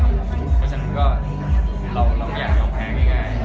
เพราะฉะนั้นก็เราไม่อยากยอมแพงอย่างงี้